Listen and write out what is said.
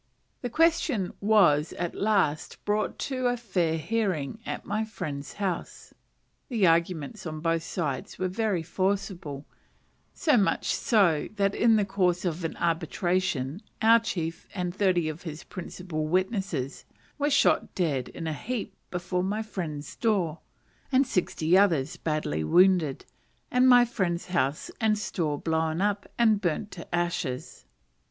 The question was at last brought to a fair hearing at my friend's house. The arguments on both sides were very forcible; so much so that in the course of the arbitration our chief and thirty of his principal witnesses were shot dead in a heap before my friend's door, and sixty others badly wounded, and my friend's house and store blown up and burnt to ashes.